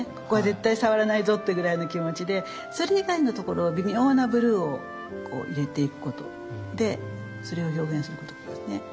ここは絶対触らないぞってぐらいの気持ちでそれ以外のところは微妙なブルーを入れていくことでそれを表現することですね。